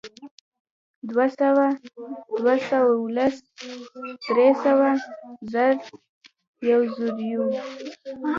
دوهسوه، دوه سوه او لس، درې سوه، زر، یوزرویو